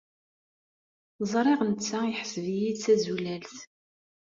Ẓriɣ netta yeḥseb-iyi d tazulalt.